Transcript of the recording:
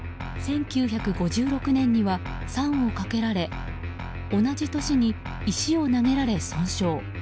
１９５６年には酸をかけられ同じ年に石を投げられ損傷。